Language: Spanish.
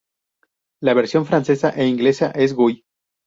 La versión francesa e inglesa es Guy.